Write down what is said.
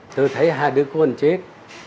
tôi thấy hai đứa con chết